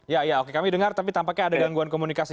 ya iya oke kami dengar tapi tampaknya ada gangguan komunikasi